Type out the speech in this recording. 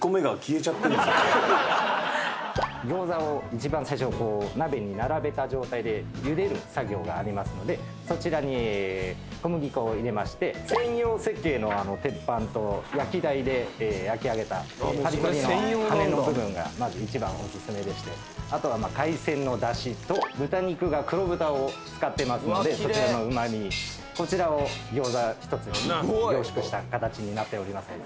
餃子を一番最初鍋に並べた状態でゆでる作業がありますのでそちらに小麦粉を入れまして専用設計の鉄板と焼き台で焼き上げたパリパリの羽根の部分がまず一番おすすめでしてあとは海鮮のだしと豚肉が黒豚を使ってますのでそちらのうま味こちらを餃子１つに凝縮した形になっております。